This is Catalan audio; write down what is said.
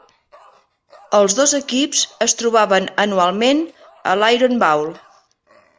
Els dos equips es trobaven anualment a l'Iron Bowl.